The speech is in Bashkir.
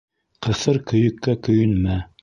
Ҡыҫыр көйөккә көйөнмә.